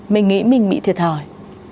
mình nghĩ mình bị thiệt hỏi